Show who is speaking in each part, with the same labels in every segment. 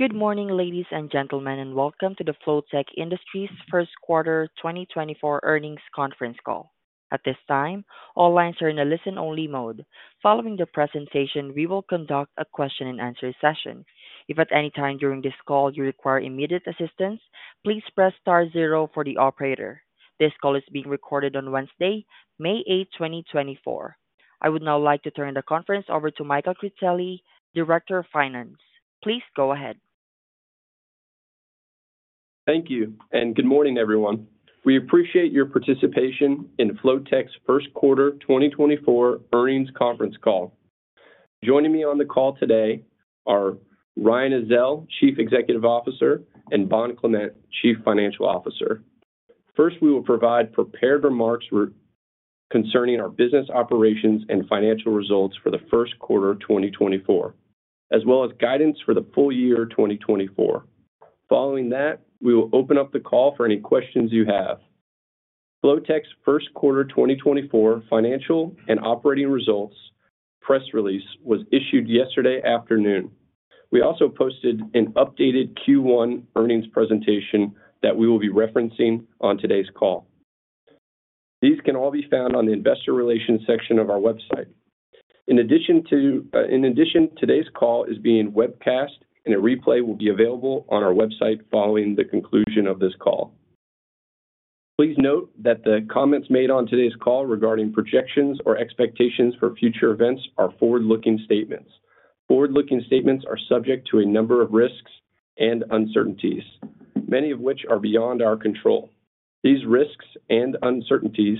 Speaker 1: Good morning, ladies and gentlemen, and welcome to the Flotek Industries First Quarter 2024 Earnings Conference Call. At this time, all lines are in a listen-only mode. Following the presentation, we will conduct a question-and-answer session. If at any time during this call you require immediate assistance, please press star zero for the operator. This call is being recorded on Wednesday, May 8, 2024. I would now like to turn the conference over to Michael Critelli, Director of Finance. Please go ahead.
Speaker 2: Thank you, and good morning, everyone. We appreciate your participation in Flotek's first quarter 2024 earnings conference call. Joining me on the call today are Ryan Ezell, Chief Executive Officer, and Bond Clement, Chief Financial Officer. First, we will provide prepared remarks concerning our business operations and financial results for the first quarter of 2024, as well as guidance for the full year 2024. Following that, we will open up the call for any questions you have. Flotek's first quarter 2024 financial and operating results press release was issued yesterday afternoon. We also posted an updated Q1 earnings presentation that we will be referencing on today's call. These can all be found on the investor relations section of our website. In addition to. In addition, today's call is being webcast, and a replay will be available on our website following the conclusion of this call. Please note that the comments made on today's call regarding projections or expectations for future events are forward-looking statements. Forward-looking statements are subject to a number of risks and uncertainties, many of which are beyond our control. These risks and uncertainties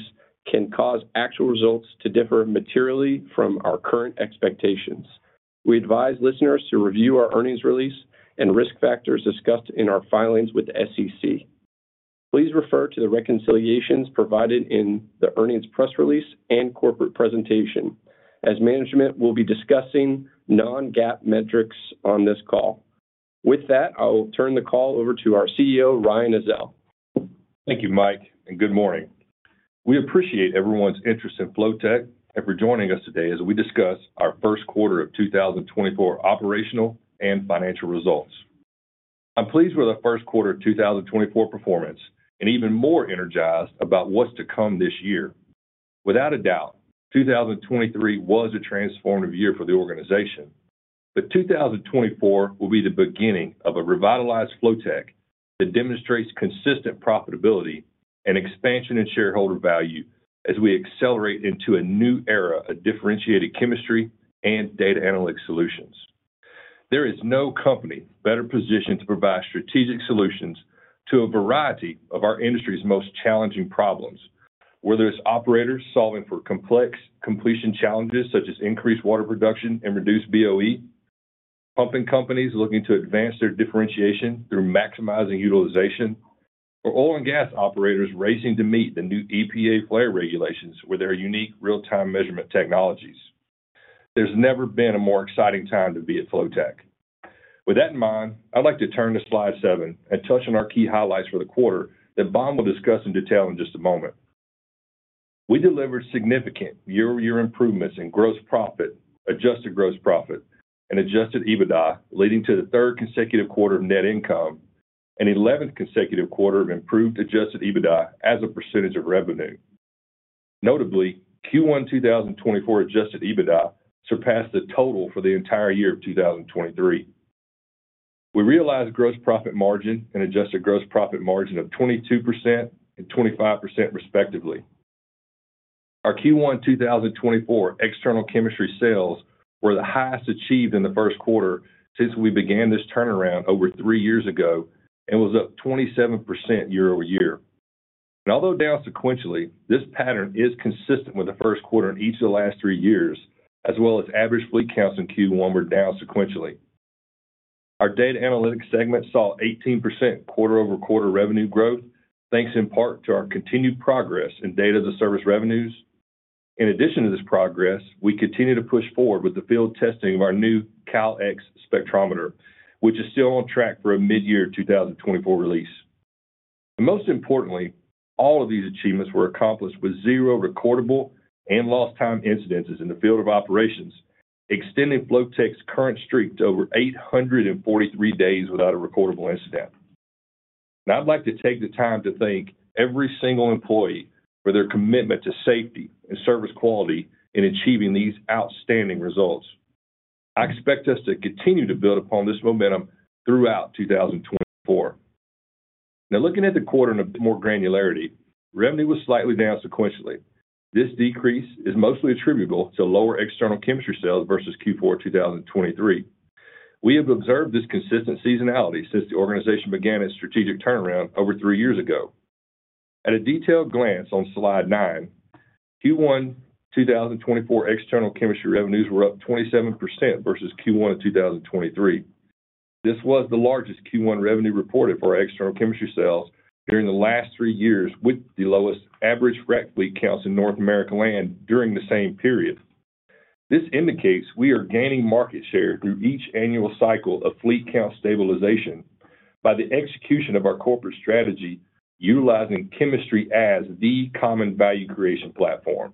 Speaker 2: can cause actual results to differ materially from our current expectations. We advise listeners to review our earnings release and risk factors discussed in our filings with the SEC. Please refer to the reconciliations provided in the earnings press release and corporate presentation, as management will be discussing non-GAAP metrics on this call. With that, I will turn the call over to our CEO, Ryan Ezell.
Speaker 3: Thank you, Mike, and good morning. We appreciate everyone's interest in Flotek and for joining us today as we discuss our first quarter of 2024 operational and financial results. I'm pleased with the first quarter of 2024 performance and even more energized about what's to come this year. Without a doubt, 2023 was a transformative year for the organization, but 2024 will be the beginning of a revitalized Flotek that demonstrates consistent profitability and expansion in shareholder value as we accelerate into a new era of differentiated chemistry and data analytics solutions. There is no company better positioned to provide strategic solutions to a variety of our industry's most challenging problems, whether it's operators solving for complex completion challenges such as increased water production and reduced BOE, pumping companies looking to advance their differentiation through maximizing utilization, or oil and gas operators racing to meet the new EPA flare regulations with their unique real-time measurement technologies. There's never been a more exciting time to be at Flotek. With that in mind, I'd like to turn to slide 7 and touch on our key highlights for the quarter that Vaughn will discuss in detail in just a moment. We delivered significant year-over-year improvements in gross profit, adjusted gross profit, and adjusted EBITDA, leading to the third consecutive quarter of net income and eleventh consecutive quarter of improved adjusted EBITDA as a percentage of revenue. Notably, Q1 2024 Adjusted EBITDA surpassed the total for the entire year of 2023. We realized gross profit margin and adjusted gross profit margin of 22% and 25%, respectively. Our Q1 2024 external chemistry sales were the highest achieved in the first quarter since we began this turnaround over three years ago and was up 27% year-over-year. And although down sequentially, this pattern is consistent with the first quarter in each of the last three years, as well as average fleet counts in Q1 were down sequentially. Our data analytics segment saw 18% quarter-over-quarter revenue growth, thanks in part to our continued progress in data as a service revenues. In addition to this progress, we continue to push forward with the field testing of our new CalX spectrometer, which is still on track for a mid-year 2024 release. Most importantly, all of these achievements were accomplished with zero recordable and lost time incidences in the field of operations, extending Flotek's current streak to over 843 days without a recordable incident. I'd like to take the time to thank every single employee for their commitment to safety and service quality in achieving these outstanding results. I expect us to continue to build upon this momentum throughout 2024. Now, looking at the quarter in a bit more granularity, revenue was slightly down sequentially. This decrease is mostly attributable to lower external chemistry sales versus Q4 2023. We have observed this consistent seasonality since the organization began its strategic turnaround over three years ago. At a detailed glance on slide 9, Q1 2024 external chemistry revenues were up 27% versus Q1 2023. This was the largest Q1 revenue reported for our external chemistry sales during the last three years, with the lowest average Frac fleet counts in North America Land during the same period. This indicates we are gaining market share through each annual cycle of fleet count stabilization by the execution of our corporate strategy, utilizing chemistry as the common value creation platform....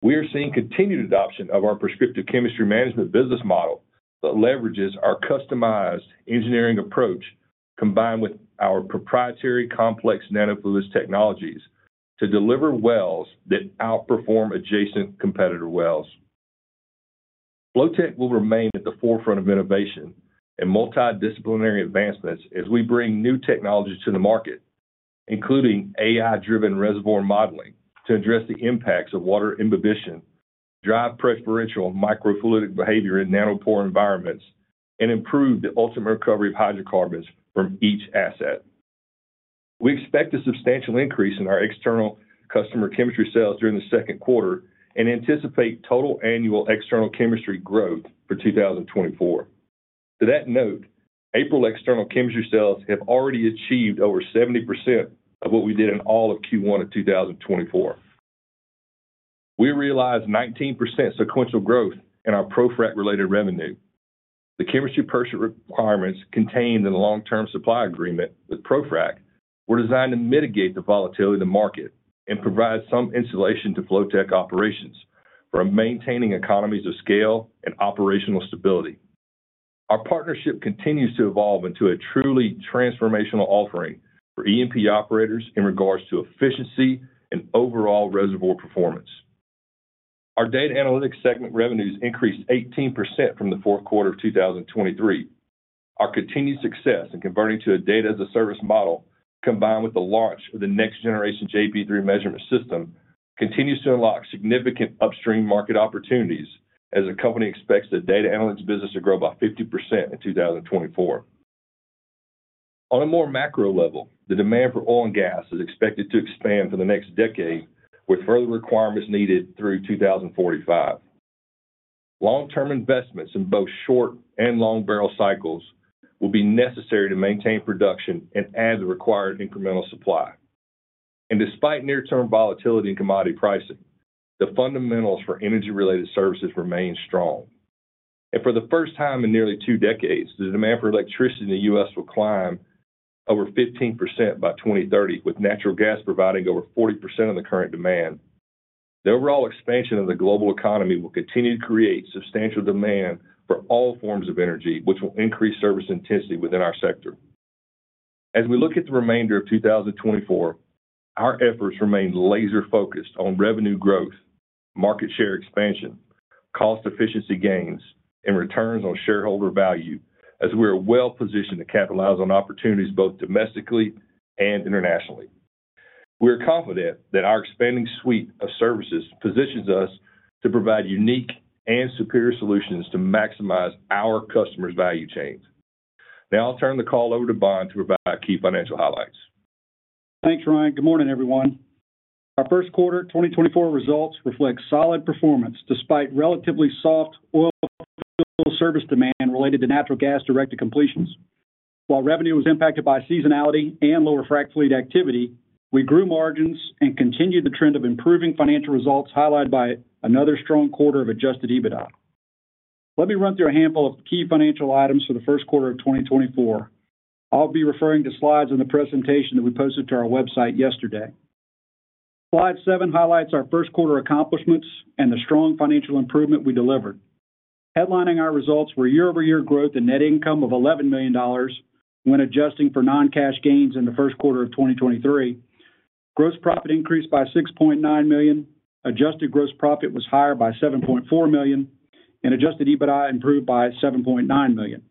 Speaker 3: We are seeing continued adoption of our Prescriptive Chemistry Management business model that leverages our customized engineering approach, combined with our proprietary Complex nano-Fluids technologies, to deliver wells that outperform adjacent competitor wells. Flotek will remain at the forefront of innovation and multidisciplinary advancements as we bring new technologies to the market, including AI-driven reservoir modeling, to address the impacts of water imbibition, drive preferential microfluidic behavior in nanopore environments, and improve the ultimate recovery of hydrocarbons from each asset. We expect a substantial increase in our external customer chemistry sales during the second quarter and anticipate total annual external chemistry growth for 2024. To that note, April external chemistry sales have already achieved over 70% of what we did in all of Q1 of 2024. We realized 19% sequential growth in our ProFrac-related revenue. The chemistry purchase requirements contained in the long-term supply agreement with ProFrac were designed to mitigate the volatility of the market and provide some insulation to Flotek operations for maintaining economies of scale and operational stability. Our partnership continues to evolve into a truly transformational offering for E&P operators in regards to efficiency and overall reservoir performance. Our data analytics segment revenues increased 18% from the fourth quarter of 2023. Our continued success in converting to a data-as-a-service model, combined with the launch of the next generation JP3 measurement system, continues to unlock significant upstream market opportunities as the company expects the data analytics business to grow by 50% in 2024. On a more macro level, the demand for oil and gas is expected to expand for the next decade, with further requirements needed through 2045. Long-term investments in both short and long barrel cycles will be necessary to maintain production and add the required incremental supply. Despite near-term volatility in commodity pricing, the fundamentals for energy-related services remain strong. For the first time in nearly two decades, the demand for electricity in the U.S. will climb over 15% by 2030, with natural gas providing over 40% of the current demand. The overall expansion of the global economy will continue to create substantial demand for all forms of energy, which will increase service intensity within our sector. As we look at the remainder of 2024, our efforts remain laser-focused on revenue growth, market share expansion, cost efficiency gains, and returns on shareholder value, as we are well positioned to capitalize on opportunities both domestically and internationally. We are confident that our expanding suite of services positions us to provide unique and superior solutions to maximize our customers' value chains. Now I'll turn the call over to Bond to provide key financial highlights.
Speaker 4: Thanks, Ryan. Good morning, everyone. Our first quarter 2024 results reflect solid performance despite relatively soft oil and service demand related to natural gas-directed completions. While revenue was impacted by seasonality and lower frac fleet activity, we grew margins and continued the trend of improving financial results, highlighted by another strong quarter of Adjusted EBITDA. Let me run through a handful of key financial items for the first quarter of 2024. I'll be referring to slides in the presentation that we posted to our website yesterday. Slide 7 highlights our first quarter accomplishments and the strong financial improvement we delivered. Headlining our results were year-over-year growth and net income of $11 million when adjusting for non-cash gains in the first quarter of 2023. Gross profit increased by $6.9 million, adjusted gross profit was higher by $7.4 million, and adjusted EBITDA improved by $7.9 million.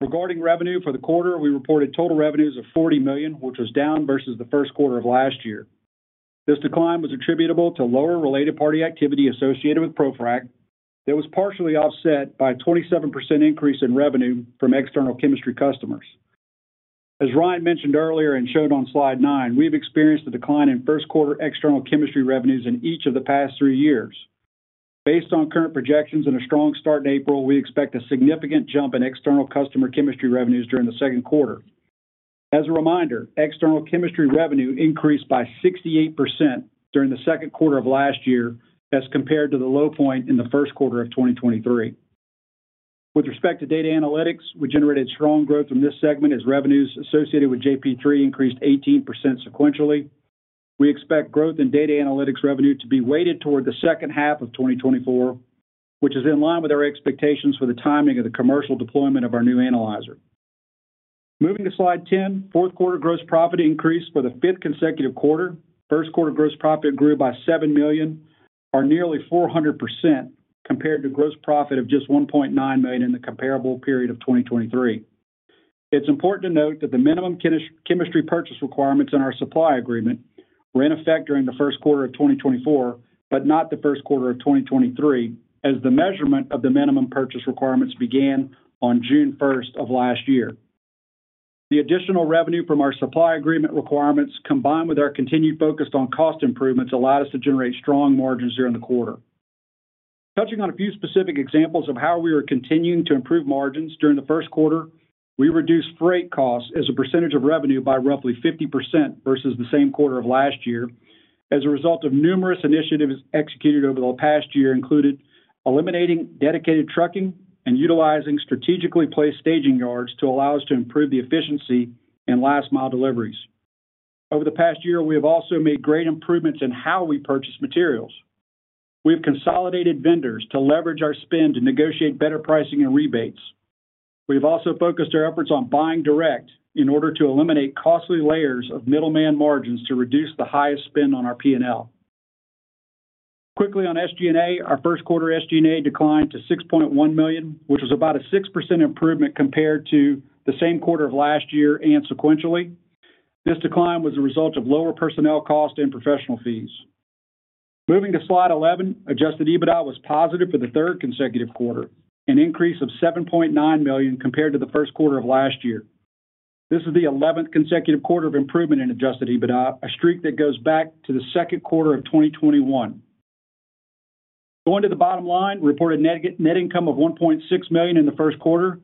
Speaker 4: Regarding revenue for the quarter, we reported total revenues of $40 million, which was down versus the first quarter of last year. This decline was attributable to lower related party activity associated with ProFrac. That was partially offset by a 27% increase in revenue from external chemistry customers. As Ryan mentioned earlier and showed on slide 9, we've experienced a decline in first quarter external chemistry revenues in each of the past three years. Based on current projections and a strong start in April, we expect a significant jump in external customer chemistry revenues during the second quarter. As a reminder, external chemistry revenue increased by 68% during the second quarter of last year as compared to the low point in the first quarter of 2023. With respect to data analytics, we generated strong growth from this segment as revenues associated with JP3 increased 18% sequentially. We expect growth in data analytics revenue to be weighted toward the second half of 2024, which is in line with our expectations for the timing of the commercial deployment of our new analyzer. Moving to slide 10, fourth quarter gross profit increased for the fifth consecutive quarter. First quarter gross profit grew by $7 million, or nearly 400% compared to gross profit of just $1.9 million in the comparable period of 2023. It's important to note that the minimum chemistry purchase requirements in our supply agreement were in effect during the first quarter of 2024, but not the first quarter of 2023, as the measurement of the minimum purchase requirements began on June 1 of last year. The additional revenue from our supply agreement requirements, combined with our continued focus on cost improvements, allowed us to generate strong margins during the quarter. Touching on a few specific examples of how we are continuing to improve margins during the first quarter, we reduced freight costs as a percentage of revenue by roughly 50% versus the same quarter of last year as a result of numerous initiatives executed over the past year, including eliminating dedicated trucking and utilizing strategically placed staging yards to allow us to improve the efficiency in last mile deliveries. Over the past year, we have also made great improvements in how we purchase materials. We've consolidated vendors to leverage our spend to negotiate better pricing and rebates. We've also focused our efforts on buying direct in order to eliminate costly layers of middleman margins to reduce the highest spend on our P&L. Quickly on SG&A, our first quarter SG&A declined to $6.1 million, which was about a 6% improvement compared to the same quarter of last year and sequentially. This decline was a result of lower personnel costs and professional fees. Moving to slide 11, adjusted EBITDA was positive for the third consecutive quarter, an increase of $7.9 million compared to the first quarter of last year. This is the 11th consecutive quarter of improvement in adjusted EBITDA, a streak that goes back to the second quarter of 2021. Going to the bottom line, reported net income of $1.6 million in the first quarter,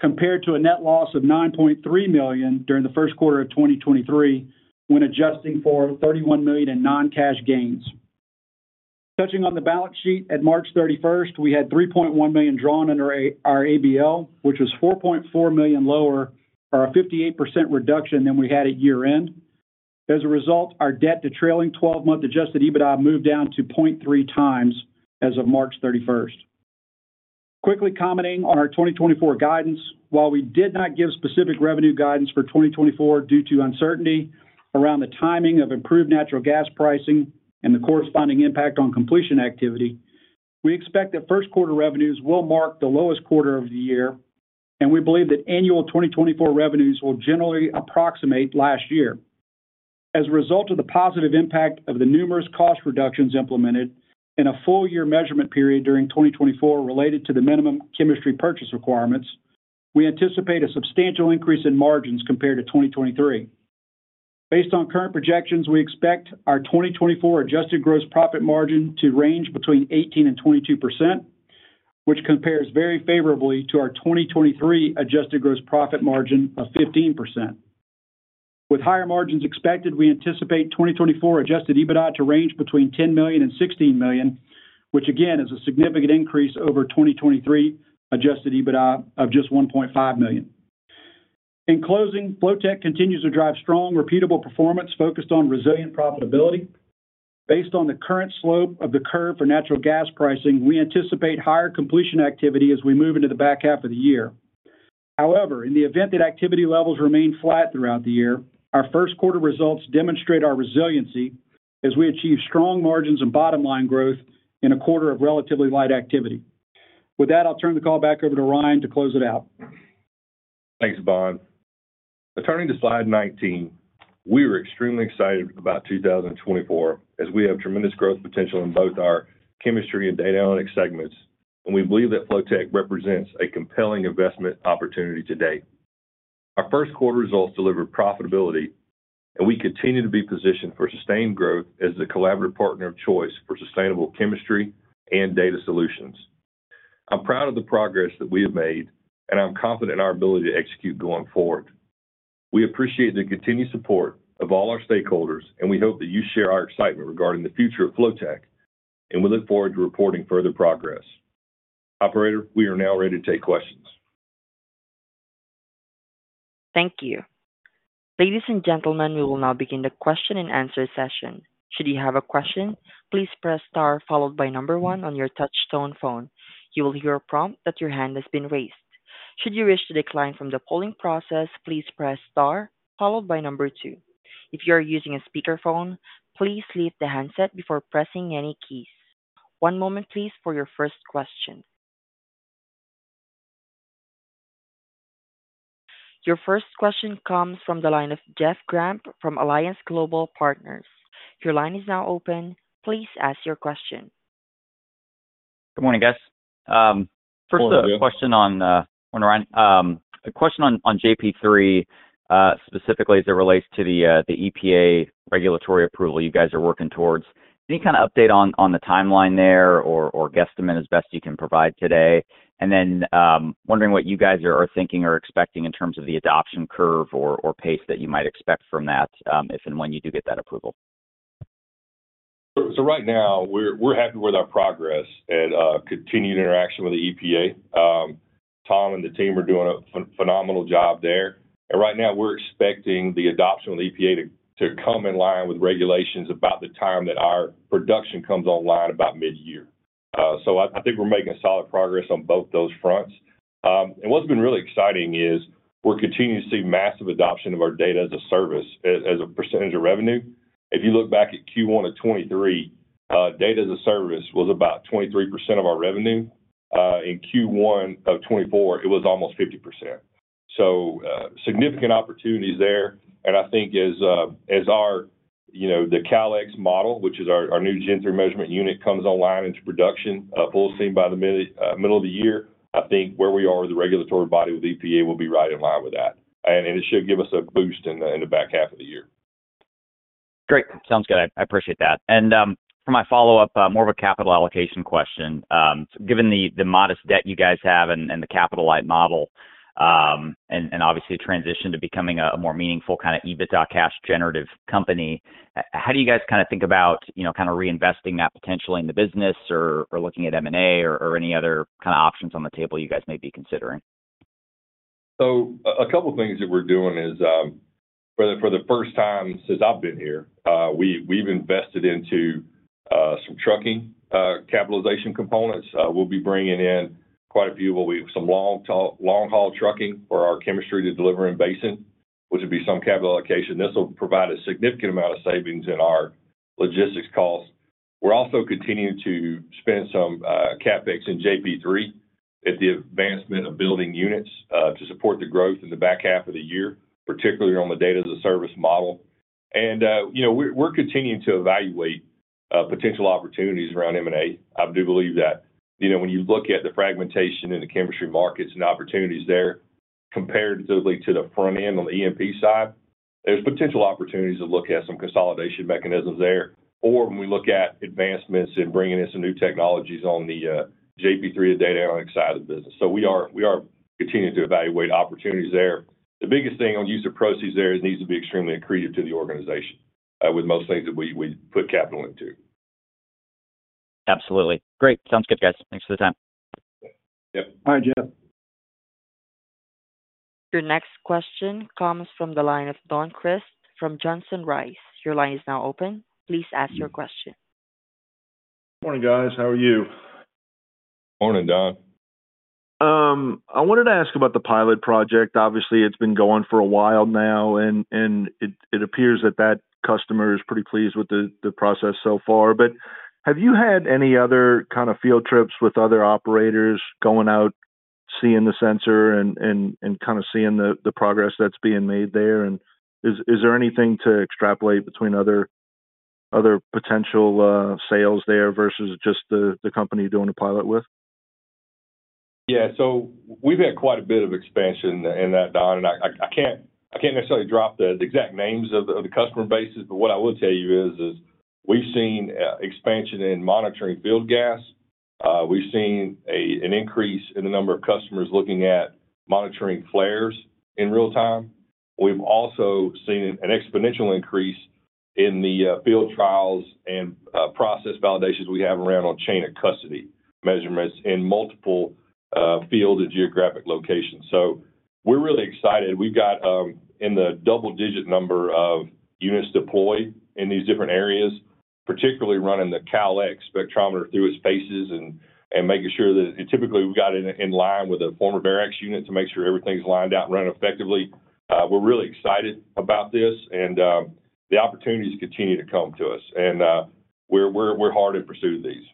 Speaker 4: compared to a net loss of $9.3 million during the first quarter of 2023, when adjusting for $31 million in non-cash gains. Touching on the balance sheet, at March 31, we had $3.1 million drawn under our ABL, which was $4.4 million lower, or a 58% reduction than we had at year-end. As a result, our debt to trailing 12-month adjusted EBITDA moved down to 0.3 times as of March 31. Quickly commenting on our 2024 guidance. While we did not give specific revenue guidance for 2024 due to uncertainty around the timing of improved natural gas pricing and the corresponding impact on completion activity, we expect that first quarter revenues will mark the lowest quarter of the year, and we believe that annual 2024 revenues will generally approximate last year. As a result of the positive impact of the numerous cost reductions implemented in a full year measurement period during 2024 related to the minimum chemistry purchase requirements, we anticipate a substantial increase in margins compared to 2023. Based on current projections, we expect our 2024 adjusted gross profit margin to range between 18% to 22%, which compares very favorably to our 2023 adjusted gross profit margin of 15%. With higher margins expected, we anticipate 2024 adjusted EBITDA to range between $10 to 16 million, which again, is a significant increase over 2023 adjusted EBITDA of just $1.5 million. In closing, Flotek continues to drive strong, repeatable performance focused on resilient profitability. Based on the current slope of the curve for natural gas pricing, we anticipate higher completion activity as we move into the back half of the year. However, in the event that activity levels remain flat throughout the year, our first quarter results demonstrate our resiliency as we achieve strong margins and bottom line growth in a quarter of relatively light activity. With that, I'll turn the call back over to Ryan to close it out.
Speaker 3: Thanks, Bond. Turning to slide 19, we are extremely excited about 2024 as we have tremendous growth potential in both our chemistry and data analytics segments, and we believe that Flotek represents a compelling investment opportunity to date. Our first quarter results delivered profitability, and we continue to be positioned for sustained growth as the collaborative partner of choice for sustainable chemistry and data solutions. I'm proud of the progress that we have made, and I'm confident in our ability to execute going forward. We appreciate the continued support of all our stakeholders, and we hope that you share our excitement regarding the future of Flotek, and we look forward to reporting further progress. Operator, we are now ready to take questions.
Speaker 1: Thank you. Ladies and gentlemen, we will now begin the question-and-answer session. Should you have a question, please press star followed by one on your touch tone phone. You will hear a prompt that your hand has been raised. Should you wish to decline from the polling process, please press star followed by two. If you are using a speakerphone, please leave the handset before pressing any keys. One moment please, for your first question. Your first question comes from the line of Jeff Grampp from Alliance Global Partners. Your line is now open. Please ask your question.
Speaker 5: Good morning, guys.
Speaker 3: Good morning.
Speaker 5: First, a question on Ryan, a question on JP3, specifically as it relates to the EPA regulatory approval you guys are working towards. Any kind of update on the timeline there or guesstimate as best you can provide today? And then, wondering what you guys are thinking or expecting in terms of the adoption curve or pace that you might expect from that, if and when you do get that approval.
Speaker 3: So right now, we're happy with our progress and continued interaction with the EPA. Tom and the team are doing a phenomenal job there. Right now we're expecting the adoption of the EPA to come in line with regulations about the time that our production comes online, about mid-year. So I think we're making solid progress on both those fronts. And what's been really exciting is we're continuing to see massive adoption of our data as a service as a percentage of revenue. If you look back at Q1 of 2023, data as a service was about 23% of our revenue. In Q1 of 2024, it was almost 50%. So, significant opportunities there, and I think as, as our, you know, the CalX model, which is our, our new 3rd-gen measurement unit, comes online into production, full steam by the mid, middle of the year, I think where we are with the regulatory body with EPA will be right in line with that, and it should give us a boost in the, in the back half of the year.
Speaker 5: Great. Sounds good. I appreciate that. And, for my follow-up, more of a capital allocation question. Given the modest debt you guys have and the capital light model, and obviously the transition to becoming a more meaningful kind of EBITDA cash generative company, how do you guys kinda think about, you know, kinda reinvesting that potentially in the business or looking at M&A or any other kinda options on the table you guys may be considering?...
Speaker 3: So a couple of things that we're doing is, for the first time since I've been here, we have invested into some trucking capitalization components. We'll be bringing in quite a few of some long-haul trucking for our chemistry to deliver in basin, which would be some capital allocation. This will provide a significant amount of savings in our logistics costs. We're also continuing to spend some CapEx in JP3 at the advancement of building units to support the growth in the back half of the year, particularly on the data-as-a-service model. And, you know, we're continuing to evaluate potential opportunities around M&A. I do believe that, you know, when you look at the fragmentation in the chemistry markets and opportunities there, comparatively to the front end on the EP side, there's potential opportunities to look at some consolidation mechanisms there. Or when we look at advancements in bringing in some new technologies on the, JP3 and data analytics side of the business. So we are, we are continuing to evaluate opportunities there. The biggest thing on use of proceeds there is it needs to be extremely accretive to the organization, with most things that we, we put capital into.
Speaker 5: Absolutely. Great. Sounds good, guys. Thanks for the time.
Speaker 3: Yep.
Speaker 4: All right, Jeff.
Speaker 1: Your next question comes from the line of Don Crist from Johnson Rice. Your line is now open. Please ask your question.
Speaker 6: Morning, guys. How are you?
Speaker 3: Morning, Don.
Speaker 6: I wanted to ask about the pilot project. Obviously, it's been going for a while now, and it appears that that customer is pretty pleased with the process so far. But have you had any other kind of field trips with other operators going out, seeing the sensor and kind of seeing the progress that's being made there? And is there anything to extrapolate between other potential sales there versus just the company doing the pilot with?
Speaker 3: Yeah. So we've had quite a bit of expansion in that, Don, and I can't necessarily drop the exact names of the customer bases, but what I will tell you is we've seen expansion in monitoring field gas. We've seen an increase in the number of customers looking at monitoring flares in real time. We've also seen an exponential increase in the field trials and process validations we have around on chain of custody measurements in multiple field and geographic locations. So we're really excited. We've got in the double-digit number of units deployed in these different areas, particularly running the CalX spectrometer through its phases and making sure that... And typically, we've got it in line with a former Verax unit to make sure everything's lined out and run effectively. We're really excited about this, and the opportunities continue to come to us, and we're hard at pursuit of these.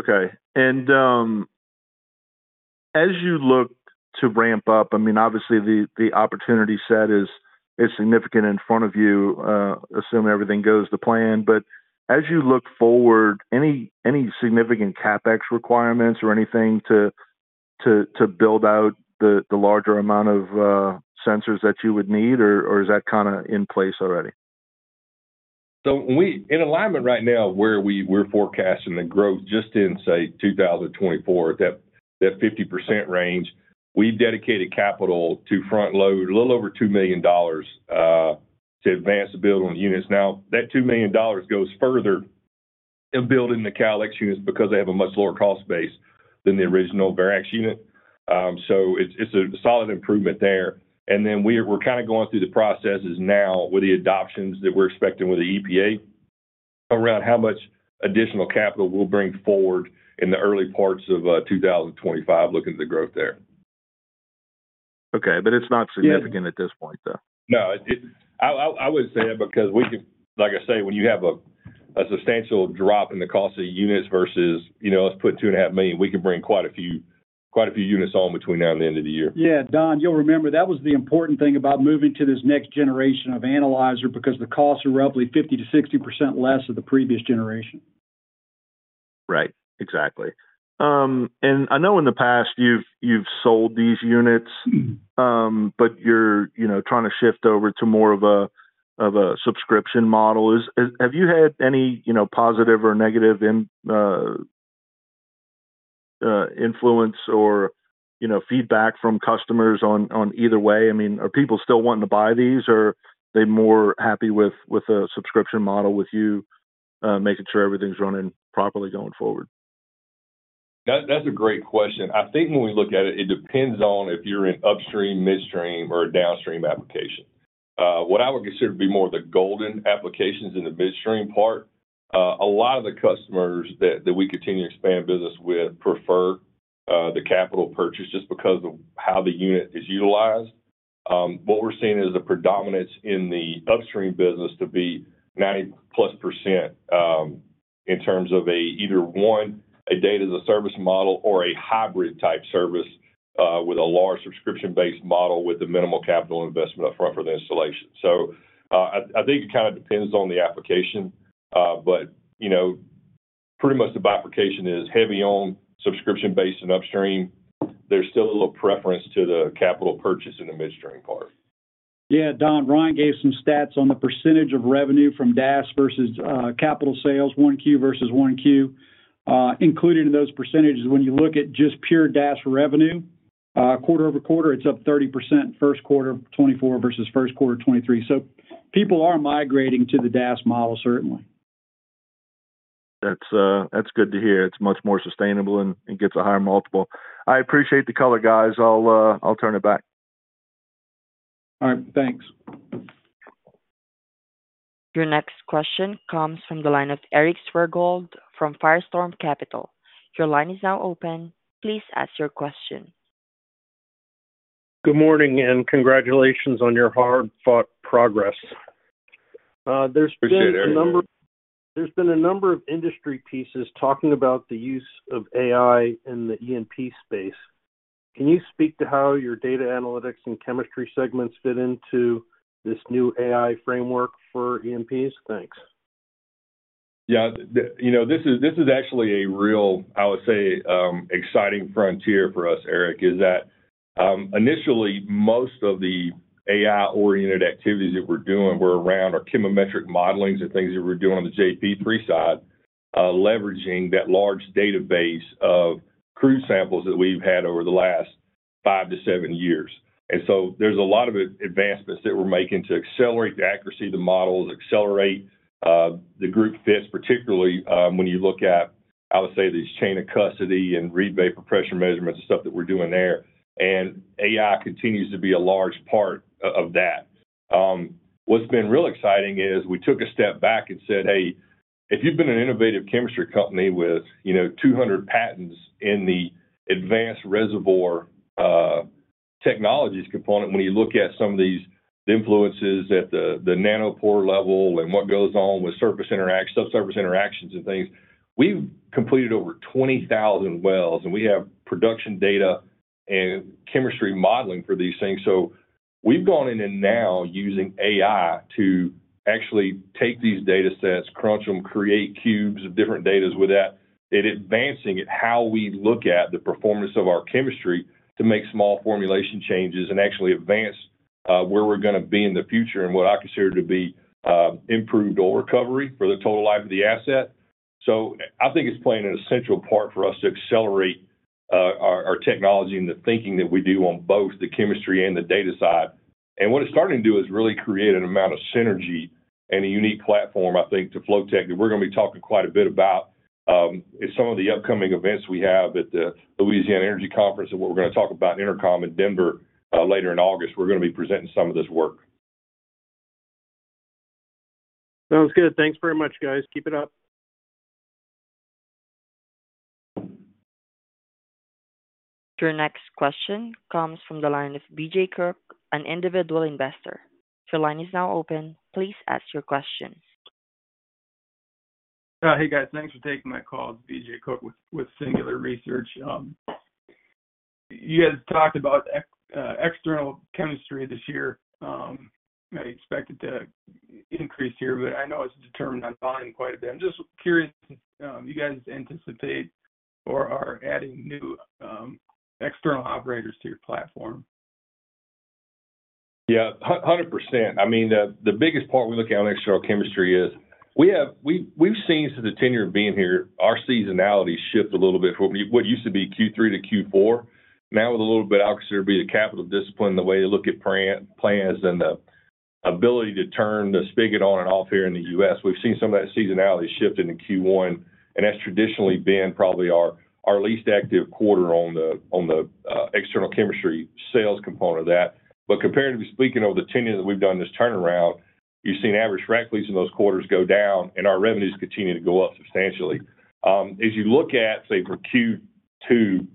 Speaker 6: Okay. And as you look to ramp up, I mean, obviously, the opportunity set is significant in front of you, assuming everything goes to plan. But as you look forward, any significant CapEx requirements or anything to build out the larger amount of sensors that you would need, or is that kinda in place already?
Speaker 3: So we in alignment right now, where we're forecasting the growth just in, say, 2024, that 50% range, we've dedicated capital to front load a little over $2 million, to advance the build on the units. Now, that $2 million goes further in building the CalX units because they have a much lower cost base than the original Verex unit. So it's a solid improvement there. And then we're going through the processes now with the adoptions that we're expecting with the EPA around how much additional capital we'll bring forward in the early parts of, 2025, looking at the growth there.
Speaker 6: Okay. But it's not significant at this point, though?
Speaker 3: No, it—I would say that because we can... Like I say, when you have a substantial drop in the cost of units versus, you know, let's put $2.5 million, we can bring quite a few, quite a few units on between now and the end of the year.
Speaker 4: Yeah. Don, you'll remember that was the important thing about moving to this next generation of analyzer because the costs are roughly 50% to 60% less than the previous generation.
Speaker 6: Right. Exactly. And I know in the past you've sold these units, but you're, you know, trying to shift over to more of a subscription model. Have you had any, you know, positive or negative influence or, you know, feedback from customers on either way? I mean, are people still wanting to buy these, or are they more happy with a subscription model with you making sure everything's running properly going forward?
Speaker 3: That, that's a great question. I think when we look at it, it depends on if you're an upstream, midstream, or a downstream application. What I would consider to be more the golden applications in the midstream part, a lot of the customers that, that we continue to expand business with prefer, the capital purchase just because of how the unit is utilized. What we're seeing is a predominance in the upstream business to be 90%+, in terms of a either, one, a data-as-a-service model or a hybrid-type service, with a large subscription-based model with the minimal capital investment upfront for the installation. So, I think it kind of depends on the application. But, you know, pretty much the application is heavy on subscription-based and upstream. There's still a little preference to the capital purchase in the midstream part.
Speaker 4: Yeah, Don, Ryan gave some stats on the percentage of revenue from DaaS versus capital sales, 1Q versus 1Q. Including those percentages, when you look at just pure DaaS revenue, quarter-over-quarter, it's up 30%, first quarter of 2024 versus first quarter of 2023. So people are migrating to the DaaS model, certainly....
Speaker 6: That's, that's good to hear. It's much more sustainable, and it gets a higher multiple. I appreciate the color, guys. I'll, I'll turn it back.
Speaker 3: All right, thanks.
Speaker 1: Your next question comes from the line of Eric Swergold from Firestorm Capital. Your line is now open. Please ask your question.
Speaker 7: Good morning, and congratulations on your hard-fought progress. There's-
Speaker 3: Appreciate it, Eric.
Speaker 7: There's been a number of industry pieces talking about the use of AI in the E&P space. Can you speak to how your data analytics and chemistry segments fit into this new AI framework for E&Ps? Thanks.
Speaker 3: Yeah, you know, this is actually a real, I would say, exciting frontier for us, Eric, is that initially, most of the AI-oriented activities that we're doing were around our chemometric modeling and things that we're doing on the JP3 side, leveraging that large database of crude samples that we've had over the last 5-7 years. And so there's a lot of advancements that we're making to accelerate the accuracy of the models, accelerate the group fits, particularly when you look at, I would say, these chain of custody and readback pressure measurements and stuff that we're doing there. And AI continues to be a large part of that. What's been really exciting is we took a step back and said, "Hey, if you've been an innovative chemistry company with, you know, 200 patents in the advanced reservoir technologies component," when you look at some of these influences at the nanopore level and what goes on with subsurface interactions and things, we've completed over 20,000 wells, and we have production data and chemistry modeling for these things. So we've gone in and now using AI to actually take these data sets, crunch them, create cubes of different datas with that, and advancing at how we look at the performance of our chemistry to make small formulation changes and actually advance where we're gonna be in the future and what I consider to be improved oil recovery for the total life of the asset. So I think it's playing an essential part for us to accelerate our technology and the thinking that we do on both the chemistry and the data side. And what it's starting to do is really create an amount of synergy and a unique platform, I think, to Flotek, that we're gonna be talking quite a bit about in some of the upcoming events we have at the Louisiana Energy Conference and what we're gonna talk about EnerCom in Denver later in August. We're gonna be presenting some of this work.
Speaker 7: Sounds good. Thanks very much, guys. Keep it up.
Speaker 1: Your next question comes from the line of BJ Cook, an individual investor. Your line is now open. Please ask your question.
Speaker 8: Hey, guys. Thanks for taking my call. BJ Cook with Singular Research. You guys talked about external chemistry this year. I expect it to increase here, but I know it's determined on volume quite a bit. I'm just curious if you guys anticipate or are adding new external operators to your platform?
Speaker 3: Yeah, 100%. I mean, the biggest part we look at on external chemistry is we've seen since the tenure of being here, our seasonality shift a little bit from what used to be Q3 to Q4. Now, with a little bit, I consider it to be the capital discipline, the way to look at frac plans and the ability to turn the spigot on and off here in the U.S. We've seen some of that seasonality shift into Q1, and that's traditionally been probably our least active quarter on the external chemistry sales component of that. But comparatively speaking, over the tenure that we've done this turnaround, you've seen average frac fleets in those quarters go down, and our revenues continue to go up substantially. As you look at, say, for Q2 to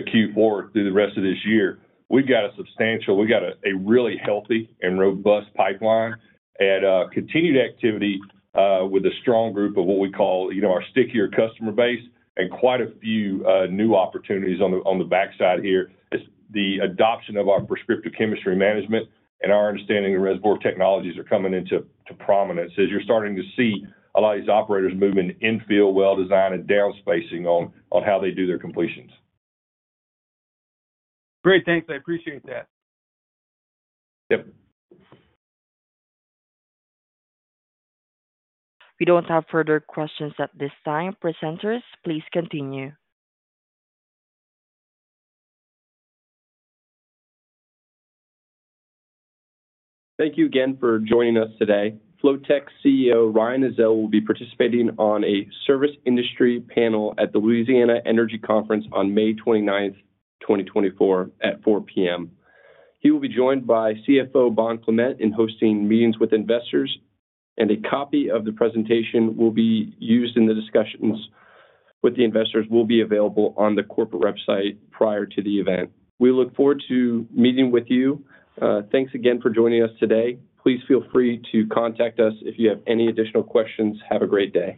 Speaker 3: Q4 through the rest of this year, we've got a substantial, a really healthy and robust pipeline and continued activity with a strong group of what we call, you know, our stickier customer base and quite a few new opportunities on the backside here. As the adoption of our prescriptive chemistry management and our understanding of reservoir technologies are coming into prominence, as you're starting to see a lot of these operators move into infill, well design, and down spacing on how they do their completions.
Speaker 8: Great. Thanks. I appreciate that
Speaker 3: Yep.
Speaker 1: We don't have further questions at this time. Presenters, please continue.
Speaker 2: Thank you again for joining us today. Flotek CEO, Ryan Ezell, will be participating on a service industry panel at the Louisiana Energy Conference on May 29, 2024, at 4:00 PM. He will be joined by CFO Bond Clement in hosting meetings with investors, and a copy of the presentation will be used in the discussions with the investors will be available on the corporate website prior to the event. We look forward to meeting with you. Thanks again for joining us today. Please feel free to contact us if you have any additional questions. Have a great day.